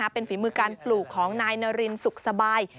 เป็นฝีมือการปลูกของนายนารินสุขสบาย